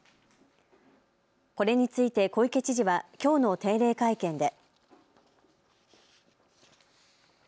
これについて小池知事はきょうの定例会見で。